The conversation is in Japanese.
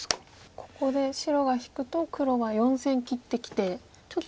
ここで白が引くと黒は４線切ってきてちょっと。